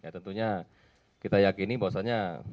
tentunya kita yakini bahwasannya